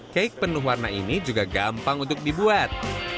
cake penuh warna ini juga gampang untuk dibuat